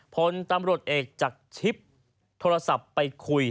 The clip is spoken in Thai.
พลตำรวจเอกจากชิปโทรศัพท์ไปคุย